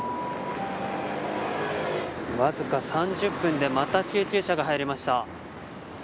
わずか３０分でまた、救急車が入りました。